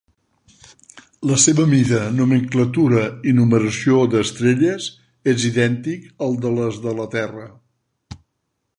La seva mida, nomenclatura i numeració d'estrelles és idèntic al de les de la Terra.